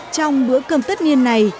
trong bữa cơm tất nhiên này